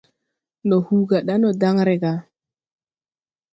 Ndɔ hu ga ɗa ndɔ daŋ re gà.